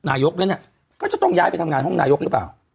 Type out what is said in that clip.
นายกแล้วเนี่ยก็จะต้องย้ายไปทำงานห้องนายกหรือเปล่า